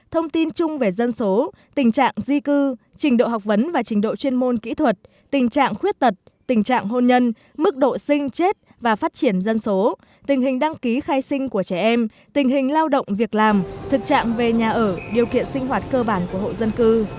thông tin chung về dân số tình trạng di cư trình độ học vấn và trình độ chuyên môn kỹ thuật tình trạng khuyết tật tình trạng hôn nhân mức độ sinh chết và phát triển dân số tình hình đăng ký khai sinh của trẻ em tình hình lao động việc làm thực trạng về nhà ở điều kiện sinh hoạt cơ bản của hộ dân cư